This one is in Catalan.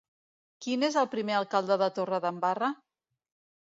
Quin és el primer alcalde de Torredembarra?